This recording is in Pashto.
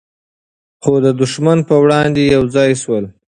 خو د دښمن په وړاندې یو ځای سول.